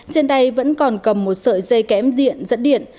trên đây vẫn còn cầm một sợi dây kém diện dẫn điện